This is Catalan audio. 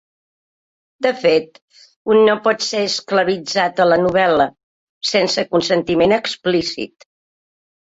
De fet, un no pot ser esclavitzat a la novel·la, sense consentiment explícit.